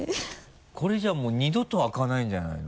これじゃあもう二度と開かないんじゃないの？